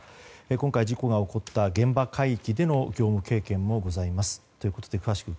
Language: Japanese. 今回、事故が起こった現場海域での業務経験もあります。